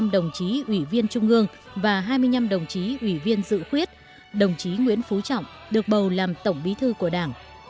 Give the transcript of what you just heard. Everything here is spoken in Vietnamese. năm đồng chí ủy viên trung ương và hai mươi năm đồng chí ủy viên dự khuyết đồng chí nguyễn phú trọng được bầu làm tổng bí thư của đảng